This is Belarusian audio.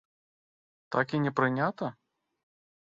Так і не прынята?